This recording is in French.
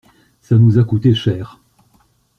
Ça nous a coûté cher.